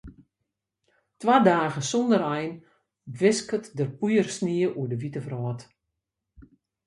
Twa dagen sonder ein wisket der poeiersnie oer de wite wrâld.